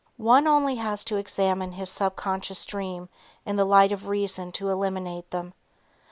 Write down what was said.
One only has to examine his subconscious dream in the light of reason to eliminate them.